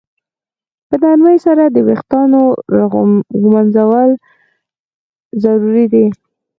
په نرمۍ سره د ویښتانو ږمنځول ضروري دي.